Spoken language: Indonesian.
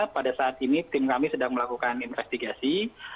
pada saat ini tim kami sedang melakukan investigasi